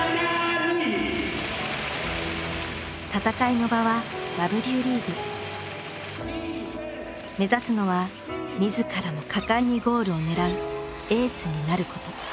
戦いの場は目指すのは自らも果敢にゴールを狙うエースになること。